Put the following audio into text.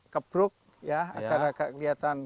kebruk agar agak kelihatan